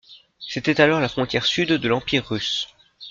C'était alors la frontière sud de l'Empire russe.